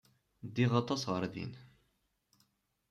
Ddiɣ aṭas ɣer din.